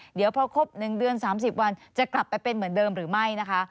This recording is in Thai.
เดี๋ยวพอครบ๑เดือน๓๐วันจะกลับไปเป็นเหมือนเดิมหรือไม่นะคะ